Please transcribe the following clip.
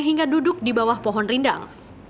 hingga duduk di bawah pohon rindang